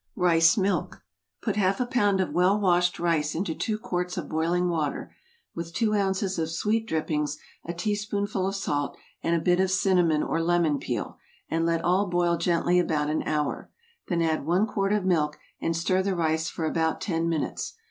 =Rice Milk.= Put half a pound of well washed rice into two quarts of boiling water, with two ounces of sweet drippings, a teaspoonful of salt, and a bit of cinnamon, or lemon peel, and let all boil gently about an hour; then add one quart of milk, and stir the rice for about ten minutes.